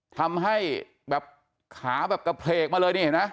ทำให้แบบขาแบบกระเปรกมาเลยเห็นรึไงนะ